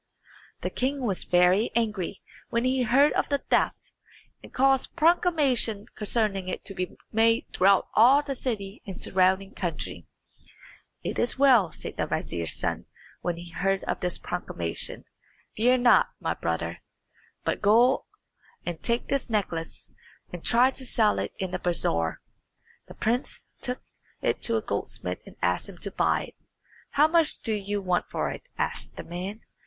The king was very angry when he heard of the theft, and caused proclamation concerning it to be made throughout all the city and surrounding country. "It is well," said the vizier's son, when he heard of this proclamation. "Fear not, my brother, but go and take this necklace, and try to sell it in the bazaar." The prince took it to a goldsmith and asked him to buy it. "How much do you want for it?" asked the man.